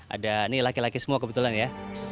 ada ini laki laki semua kebetulan ya